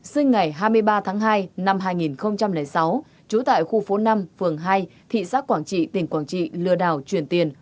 sinh ngày hai mươi ba tháng hai năm hai nghìn sáu trú tại khu phố năm phường hai thị xã quảng trị tỉnh quảng trị lừa đảo chuyển tiền